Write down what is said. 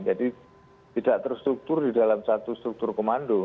jadi tidak terstruktur di dalam satu struktur komando